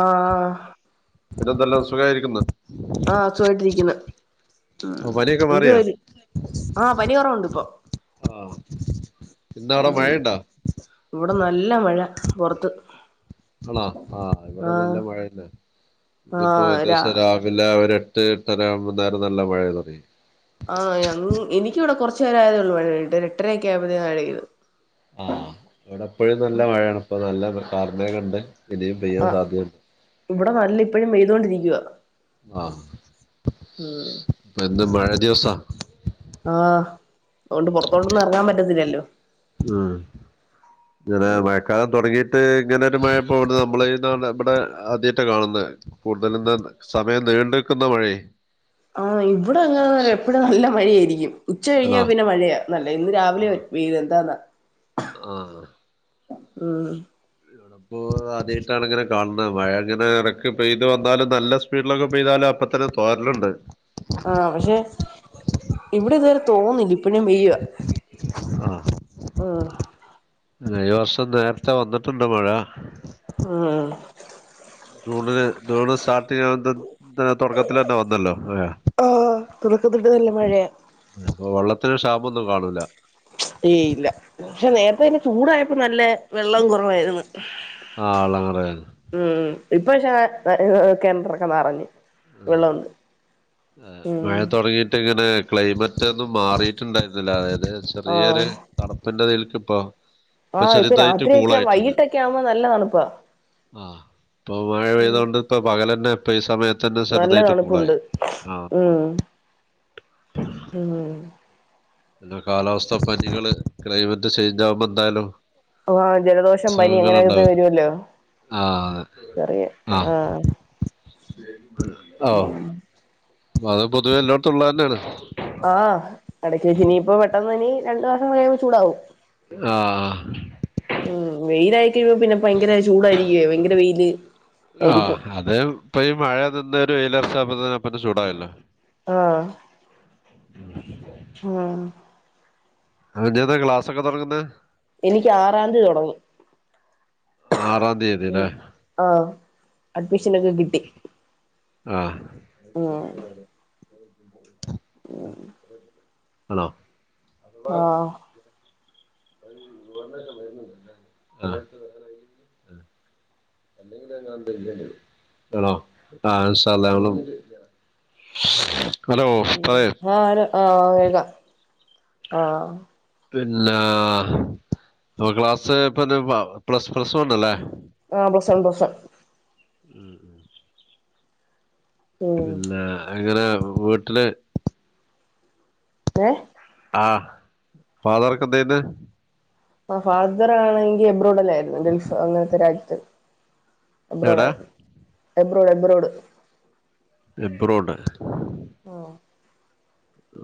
ആ എന്തെല്ലാം സുഖമായിരിക്കുന്നു. ഉ ആ പനിയൊക്കെ എന്ത് വ മാറിയാ ആഹ പനി കുറവുണ്ട് ഇപ്പൊ ആഹ് ഇന്നവിടെ മഴയുണ്ടോ ഇവിടെ നല്ല മഴ പുറത്ത്. ആണാ ആഹ് ഇവിടെ നല്ല മഴല്ല ഇതിപ്പോ ആഹ് രാ ഏകദേശം രാവിലെ അവ [unintelligible] നല്ല മഴയന്ന് [unintelligible] ആ് എനിക്കിവിടെ കുറച്ചുേരായയതേ ഉള്ളൂ [unintelligible] എട്ടര ആയപ്പോ മഴയ്‌തു ആ ഇവിടെ എപ്പോഴും നല്ല മഴയാണ് ഇപ്പൊ നല്ല കാർമേഘം ഉണ്ട്... ആ ഇവിടെ നല്ല ഇപ്പോഴും പെയ്ത്കൊണ്ടിരിക്കാ ആഹ ഇപ്പ എന്ത് മഴ ദിവസാ.. ആഹ് അതുകൊണ്ട് പുറത്തോട്ടൊന്നും ഇറങ്ങാൻ പറ്റത്തില്ലല്ലോ.. ഉ ഇങ്ങനെ മഴക്കാലം തുടങ്ങി.... ഇങ്ങനെ ഒരു മഴപ്പോ ഇ നമ്മളാണ് വിടെ ആദ്യമായിട്ട് കാണുന്നത് കൂടുതലന്ന് സമയം നീണ്ടുക്കുന്ന മഴേ.. ആ ഇവിടെ അങ്ങന എപ്പഴ നല്ല മഴ ആയിരിക്കും.. ഉച്ച കഴിഞ്ഞാൽ ആണോ പിന്നെ മഴയാ നല്ല ഇന്ന് രാവിലെ വയിൽ എന്താന്നാ. ആഹ... ഉം.. ഇപ്പോ ആദ്യമായിട്ടാണ് ഇങ്ങനെ കാണുന്നത് മഴ ഇങ്ങനെ ഇടക്ക് പെയ്ത് വന്നാലും നല്ല സ്പീഡിലൊക്കെ പെയ്താലും... പ്പത്തന്നെ തോരലുണ്ട്... ആഹ പക്ഷെ ഇവിടെ ഇതുവരെ തോന്നില്ല ഇപ്പഴും പെയ്യുവ... ആഹ.. ആ ഈ വർഷം നേരത്തെ വന്നിട്ടുണ്ട് മഴ ആഹ് ജൂണിന് ജൂണ് സ്റ്റാർട്ടി തുടക്കത്തി തന്നെ വന്നല്ലോ മഴ [unintelligible] മഴയാ ഒന്നും കാണൂല അപ്പന്നെ ചൂടായപ്പോ നല്ല വെള്ളം കുറവായിരുന്നു ആഹ ഉം [unintelligible] ഇപ്പ പക്ഷെ ക മറഞ്ഞു ആ ആ ഉം മഴ തുടങ്ങിട്ട് ഇങ്ങനെ ക്ലൈമറ്റ് ഒന്നും മാറിട്ടുണ്ടായിരുന്നില്ല അതായത് ചെറിയൊരു തണുപ്പിന്റെതിൽക്ക് ഇപ്പോ ആഹ ഇപ്പൊ രാത്രിയൊക്കെ വൈകിട്ടൊക്കെ ആവുമ്പോ നല്ല തണുപ്പാ ആഹ ഇപ്പൊ മഴ പെയ്ത കൊൊണ്ട് ഇപ്പ പകല തന്നെ ഇപ്പൊ ഈ സമയത്ത് തന്നെ നല്ല ചെറുതായിട്ട് കൂളായി തണുപ്പുണ്ട് ആഹ ഉം ഉം പി കാലാവസ്ഥാ പനികള് ക്ലൈമറ്റ് ചേഞ്ച് ആവുമ്പോ എന്തായാലും ആജലദോഷം പനി അസുഖങ്ങൾ അങ്ങനെ ഉണ്ടാവും വരുവല്ലോ ആഹ് ചെറിയ ആ ഉം അത് പൊതുവേ എല്ലോടത്തുള്ള താന്നെയാണ്.. ആഹ് ഇടക്ക് വെച്ച് ഇനീപ്പോ പെട്ടെന്ന് ഇനി രണ്ടു മാസം കയീമ്പോ ചൂടാവും ആഹ് മ് വെയ്ലായി കഴിയ്പോ പിന്നെ ഭയങ്കര ചൂടായിരിക്കുവേ ഭയങ്കര വെയ്ല് ആഹ് അതേപ്പൊ ഈ മഴന്ന് ഒര് വെയ്ലറിച്ചാപ്പ തന്നെ ചൂടായ്ലേ. ആഹ് ഞ്ഞേന്നാ ക്ലാസ്സൊക്കെ തൊടങ്ങുന്നേ എനിക്ക് ആറാദി തൊടങ്ങും ആറാം തീയതി മ് അല്ലേ ആഹ് അഡ്മിഷനെക്കെ കിട്ടി. ആഹ് മ് ആണോ ആഹ് അ ആണോ ആഹ് ഇന്ഷാള്ളാ ഞങ്ങള് മ് ആഹ് [unintelligible] ആഹ് പിന്നാ പ്പ ക്ലാസ് [unintelligible] പ്ലസ് പ്ലസ് വൺ അല്ലേ ആഹ് പ്ലസ് വൺ പ്ലസ് വൺ ഉം പിന്നെ എങ്ങനെ വീട്ട്ല് ഏഹ് ആഹ് ഫാദറൊക്കെന്ത് ചെയ്യണേ ആഹ് ഫാദ്റാണെങ്കി എബ്രോഡല്ലായിര്ന്ന് ഗൾഫ് അങ്ങനത്തെ രാജ്യത്ത് എടാ എബ്രോഡായിര്ന്നു എബ്രോഡ് എബ്രോഡ് എബ്രോഡ് ആഹ്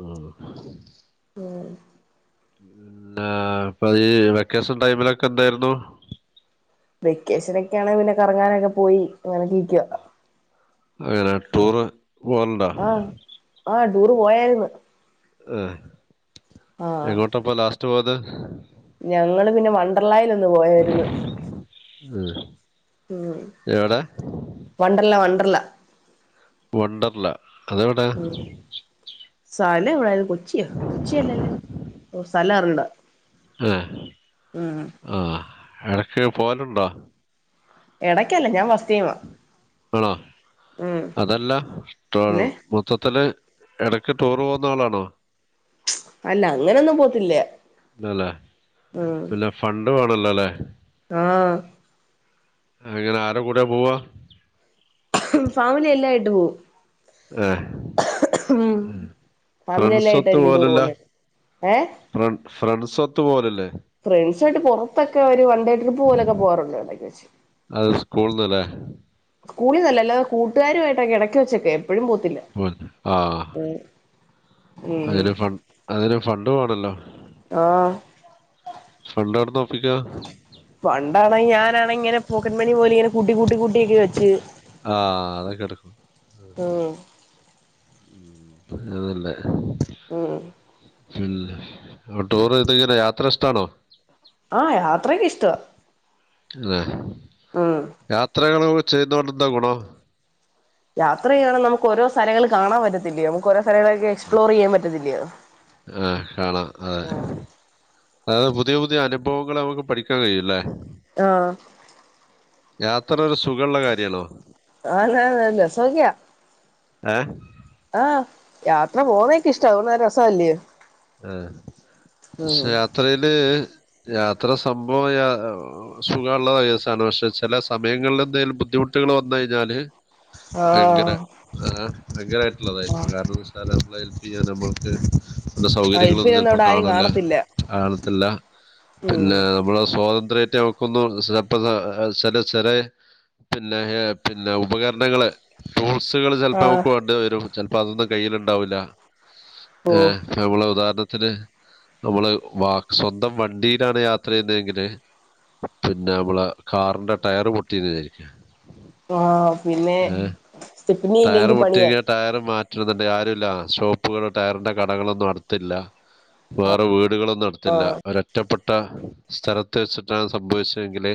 ആഹ് ആഹ് പിന്നാ ഇപ്പ ഈ വെക്കേഷൻ ടൈമിലൊക്കെന്തായിരുന്നു വെക്കേഷനൊക്കെയാണേ പിന്നെ കറങ്ങാനക്കെ പോയി അങ്ങനക്കെര്ക്യാ അങ്ങനെ ടൂറ് പോകലുണ്ടോ ആഹ് ആഹ് ടൂറ് പോയാര്ന്ന് ആഹ് എങ്ങോട്ടപ്പൊ ലാസ്റ്റ് പോയത് ഞങ്ങള് പിന്നെ വണ്ടർലായിൽ ഒന്ന് പോയാര്ന്ന്. ആഹ് മ് വണ്ടർല്ല വണ്ടർല്ല വണ്ടർല്ല അതെവടെ അതെവിടേര്ന്നു കൊച്യോ കൊച്ചിയല്ലല്ലേ ഓഹ് സ്ഥലർഞ്ഞൂട ആ ആഹ് എടക്ക് പോവലുണ്ടോ എടയ്ക്കല്ല ഞാൻ വസ് അണോ ഉം അതല്ല പിന്നെ മൊത്തത്തില് എടക്ക് ടൂറ് പോക്ന്ന ആളാണോ അല്ല അങ്ങനൊന്നും പോത്തില്ല ഇല്ലലേ ഉം പിന്നെ ഫണ്ട് വേണ ണല്ലലേ ആഹ് അങ്ങനെ ആര കൂടെ പോവാ ഫാമിലി എല്ലായിട്ട് പോവും ഏഹ് മ് ഫ്രണ്ട്സൊത്ത് പോലല്ല ഏഹ് ഫ്രൻ ഫ്രണ്ട്സൊത്ത് പോലല്ലേ [unintelligible] പുറത്തൊക്കെ ഒരു വൺ ഡേ ട്രിപ്പ് പോലൊക്കെ പോവാറുണ്ട് എടക് വെച്ച് സ്കൂൾന്നല്ലേ സ്കൂളന്നല്ലതെ കൂട്ടാരുമായിട്ടക്ക ഇടക്ക വെച്ചൊ ക്കെ [unintelligible] ആ ഉം അതിനെ ഫ അതിനന് ഫണ്ട് വേണല്ലോ ആഹ് ഫണ്ട് അവിട് ന്നാ ഒപ്പിക്ക ഫണ്ടാണെങ്കി ഞാന് ഇങ്ങനെ പോക്കറ്റ് മണി പോലെ ഇങ്ങനെ കൂട്ടി കൂട്ടി കൂട്ടിയക്കെ വെച്ച് ആ ഉം [inaudible] പറഞ്ഞതല്ലേ മംമം പിന്നെ ടൂറ് ഇത്ങ്ങനെ യാത്ര ഇഷ്ടാണോ ആഹ് യാത്രക്കെ ഇഷ്ട്ട അതെ മം [unintelligible] ചെയ്യതൊണ്ട് എന്താഗുണോം യാത്ര ചെയ്യാ ണെ ങ്കി നമുക്ക് ഓരോ സ്ഥലങ്ങള് കാണൻ പറ്റത്തില്ലയോ നമുക്ക് ഓരോ സ്ഥലങ്ങളൊക്ക എസ്പ്ലോർ ചെയ്യാൻ പറ്റത്തില്ലയോ ആഹ് കാണാം അതെ ആഹ് അതത് പുതിയ പുതിയ അനുഭവങ്ങള് നമ്മക്ക് പഠിക്കാൻ കയൂല്ലേ. ആഹ്. യാത്ര ഒരു സുഖള്ള കാര്യല്ലോ. ആന്ന് ആന്ന് രസോക്ക്യ. ഏഹ് ആഹ് യാത്ര പോവുന്നേയൊക്കെ ഇഷ്ടവാ [unintelligible] രസവാല്ല്യോ? ആഹ് പക്ഷെ യാത്രയില് യാത്ര സംഭവം യാ സുഖമുള്ള കേസാണ് പക്ഷെ ചെല സമയങ്ങളിലെന്തേലും ബു ദ്ധിമുട്ട്കള് വന്ന് കഴിഞ്ഞാല് ഭയങ്കര ആഹ് ആഹ് ഭയങ്കരമായിട്ടുള്ളതായി ആഹ് കാരണംന്ന് വെച്ചാല് [unintelligible] നമ്മക്ക് ന്ന് ആഹ് ഇപ്പ സൗകര്യങ്ങളൊന്നും ഇതൊന്നും ചെലപ്പോ അവിടെ ആരും കാണൂല്ല കാണത്തില്ല കാണത്തില്ല ഉം പിന്നെ നമ്മുടെ സ്വാതന്ത്ര്യ [unintelligible] ചെല ചെലേ പിന്നെ ഏഹ് പിന്നെ ഉപകരണങ്ങള് ടൂ ൾസ്സുകൾ ചിലപ്പോ ആഹ് നമക്ക് വണ്ട വരും ചെലപ്പോ അതൊന്നും കയ്യിലുണ്ടാവില്ല. ഓഹ് ള്ള ഉദാഹരണത്തിന് നമ്മള് വാ സ്വന്തം വണ്ടിയിലാണ് യാത്ര ചെയ്യുന്നതെങ്കില് പിന്നെ നമ്മളെ കാറിന്റെ ടയർ പൊട്ടീന്ന് വിചാരിക്ക ആഹ് പിന്നെ സ്റ്റെപ്പിനി ടയറ് ഇല്ലെങ്കി പണിയാ പൊട്ടിങ്കി ആ ടയറ് മാ റ്റണംന്നുണ്ടെങ്കി ആരൂല്ല ഷോപ്പുകള് ടയറിന്റെ കടകളൊന്നും അടുത്തില്ല വേറെ വീടുകളൊ ന്നടുത്തില്ല ഒരൊറ്റപ്പെ ട്ട സ്ഥലത്ത് വെച്ചിട്ടാണ് സംഭവിച്ചതെങ്കില്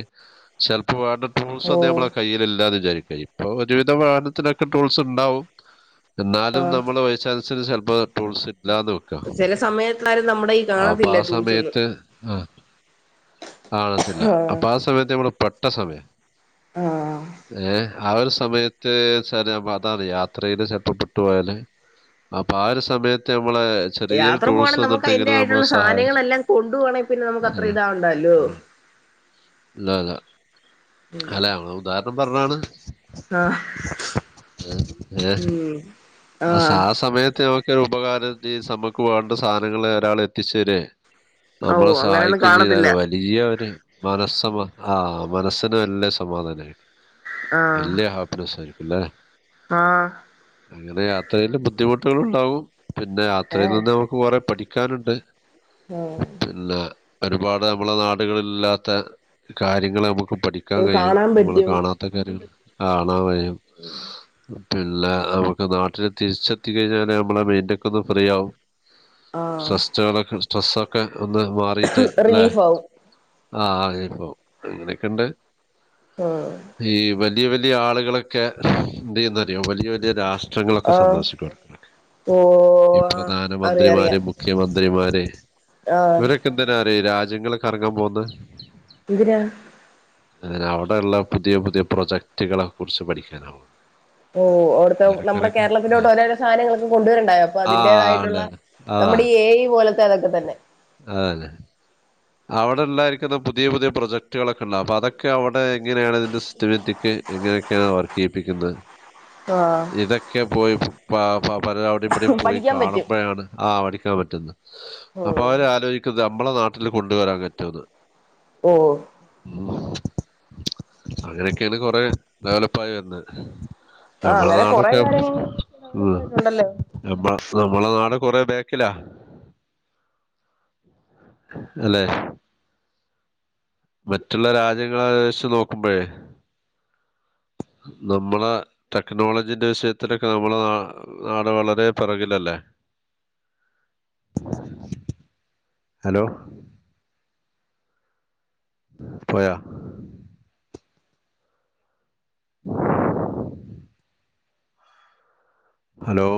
ചെലപ്പോ വേണ്ട ടൂൾസൊന്നും ഓഹ് നമ്മളെ കയ്യിലില്ലാന്ന് വിചാരിക്ക ഇപ്പൊ ഒരുവിധം വാഹനത്തിനൊക്കെ ടൂൾസ് ഉണ്ടാവും. എന്നാലും നമ്മള് വൈസ് ചാൻസില് ചെലപ്പോ ടൂൾസ് ഇല്ലാന്ന് വെക്ക ചെല സമയത്താരും നമ്മുടെ ഈ അപ്പൊ കാണത്തില്ല ആ ടൂൾസ് ഒന്നും സമയത്ത് ആഹ് കാണത്തില്ല ആഹ് അപ്പൊ ആ സമയത്ത് നമ്മള് പെട്ട സമയാ ആഹ് ഏഹ് ആ ഒരു സമയത്ത് [unintelligible] അതാണ് യാത്രയില് ചെല്പം പെട്ടു പോയാല് അപ്പൊ ആ ഒരു സമയത്ത് നമ്മളെ ചെറിയൊരു യാത്ര പോവാണെ ടൂൾസ് നമുക്ക് വന്നിട്ട് അയിന്റെ ഇങ്ങനെ നമ്മളെ ആയിട്ടുള്ള സഹായി സാധനങ്ങളെല്ലാം കൊണ്ടു പോവാണെ പിന്നെ നമുക്ക് അത്ര ഏഹ് ഇതാവണ്ടല്ലോ ഉം [unintelligible] അല്ല ആ ഉദാഹരണം പറഞ്ഞാണ് ആഹ് [unintelligible] ഉം ആ ആഹ് സമയത്ത് [unintelligible] [unintelligible] ഉപകാരം ചെയ് നമുക്ക് വേണ്ട സാധനങ്ങൾ ഒരാൾ എത്തിച്ച് തരെ നമ്മളെ ഓഹ് അങ്ങനെയൊന്നും സഹായിക്കുകയും കാണത്തില്ല ചെയ്താല് വലിയ ഒരു മനസ്സമാ ഹ മനസ്സിന് വല്യ സമാധാനമായിരിക്കും ആഹ് വല്യ ഹാപ്പിനെസ്സ് ആയിരിക്കും അല്ലെ ആഹ് അങ്ങനെ യാത്രയിൽ ബുദ്ധിമുട്ടുകൾ ഉണ്ടാവും പിന്നെ യാത്രയിൽ നിന്ന് നമുക്ക് കുറെ പഠിക്കാനുണ്ട് ഉം പിന്നെ ഒരുപാട് നമ്മളെ നാടുകളിൽ ഇല്ലാത്ത കാര്യങ്ങൾ നമുക് പഠിക്കാൻ കഴിയും കാണാൻ നമ്മള് പറ്റും കാണാത്ത കാര്യം കാണാൻ കഴിയും പിന്നെ നമുക്ക് നാട്ടില് തിരിച്ചെത്തികഴിഞ്ഞാല് നമ്മളുടെ മൈന്റൊ ക്കെ ഒന്ന് ഫ്രീ ആകും ആഹ് സ്ട്രെസ്റ്റുകളൊക്കെ സ്ട്രെസ്സൊക്കെ ഒന്ന് മാറിട്ട് അല്ലേ റിലീഫാവും ആഹ് ഇപ്പോ അങ്ങനെയൊക്കെണ്ട് ആഹ് ഈ വൽ വലിയ വലിയ ആളുകളൊക്കെ എന്ത് ചെയ്യും അറിയോ വലിയ വലിയ രാഷ് ഷ്ട്രളൊക്കെ ആഹ് സന്ദർശിക്കുക ഈ ഓഹ് അറിയാ അറിയാ പ്രധാനമന്ത്രിമാരും മുഖ്യമന്ത് ന്ത്രിമാരെ ആഹ് ഇവരൊക്കെ എന്തിനാ അറിയോ രാജ്യങ്ങളൊക്കെ കറങ്ങാൻ പോകുന്നേ എന്തിനാ [unintelligible] അവിടെയുള്ള പുതിയ പുതിയ പ്രൊജക്ടുകളെ കുറിച്ച് പഠിക്കാനാവൂ ഓഹ് [unintelligible] നമ് കേരളത്തിലോട്ട് ഓരോരോ സാധനങ്ങളൊക്കെ കൊണ്ടുവരണ്ടാ യോ അപ്പൊ ആ ഉണ്ട് അതിന്റേതായിട്ടുള്ള ഉണ്ട്. നമ്മുടെ ഈ എ. ഐ തു പോലത്തെ ഒക്കെ തന്നെ ആതന്നെ അവിടെ ഉണ്ടായിരിക്കുന്ന പുതിയ പുതിയ പ്രൊജക്ടുകളൊക്കെ ഉണ്ടാവും അപ്പൊ അതൊക്കെ അവിടെ എങ്ങനെയാണ് ഇതിന്റെ സിസ്റ്റമാറ്റിക് എങ്ങനെയൊക്കെയ വർക്ക് ചെയ്പ്പിക്കുന്നത് ആഹ് ഇതൊക്കെ പോയി അപ്പോൾ പലരും അവിടെയും ഇവിടെേയും പോയി പഠിക്കാൻ പറ്റും കാണുമ്പോഴാണ് ആ പഠിക്കാൻ പറ്റുന്നത് ഉം അവരെ ആലോചിക്കുന്നത് നമ്മളെ നാട്ടിൽ കൊണ്ടുവരാൻ പറ്റുമന്ന് ഓ ഉ അങ്ങനെയൊക്കെയാണ് കൊറെ ഡെവലപ്പായി വരുന്നത് ആ നമ്മളെ അങ്ങനെ കൊറെ നാടൊക്കെ കാര്യങ്ങൾ ഉ ഡെവലപ്പ് ആയിട്ടുണ്ടല്ലോ നമ്മള നമ്മളെ നാട് കൊറെ ബേക്കിലാ അല്ലേ മറ്റുള്ള രാജ്യങ്ങളെ വച്ച് നോക്കുമ്പോഴേ നമ്മളെ ടെക്നോളജീന്റെ വിഷയത്തിലൊക്കെ നമ്മളെ ന നാട് വളരെ പിറകിലല്ലേ ഹലോ പോയ [inaudible] ഹലോ